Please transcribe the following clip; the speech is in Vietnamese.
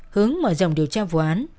hướng mở dòng điều tra vụ án